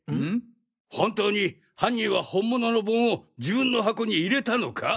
本当に犯人は本物の盆を自分の箱に入れたのか！？